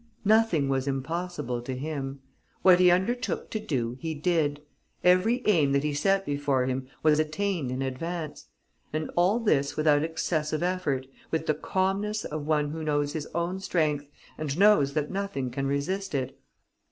Nothing was impossible to him. What he undertook to do he did. Every aim that he set before him was attained in advance. And all this without excessive effort, with the calmness of one who knows his own strength and knows that nothing can resist it.